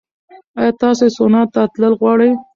ایا تاسو سونا ته تلل غواړئ؟